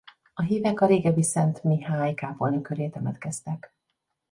A hívek a régebbi Szent Mihály kápolna köré temetkeztek.